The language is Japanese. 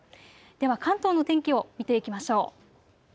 では関東の天気を見ていきましょう。